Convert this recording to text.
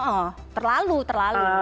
ya ya terlalu terlalu